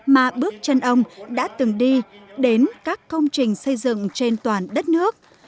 mà bước chân ông đã từng đi đến các công trình xây dựng trên toàn đất nước